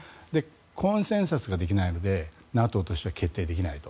コンセンサスができないのでＮＡＴＯとしては決定できないと。